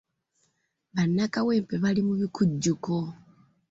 Bannakawempe bali mu bikujjuko.